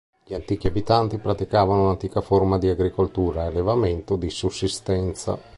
Gli antichi abitanti praticavano un'antica forma di agricoltura e allevamento di sussistenza.